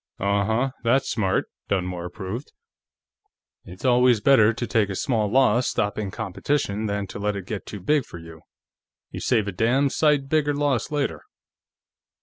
"Uh huh, that's smart," Dunmore approved. "It's always better to take a small loss stopping competition than to let it get too big for you. You save a damn sight bigger loss later."